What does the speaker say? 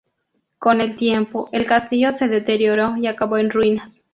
Con el tiempo, el castillo se deterioró y acabó en ruinas.